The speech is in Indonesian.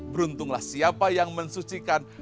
beruntunglah siapa yang mensucikan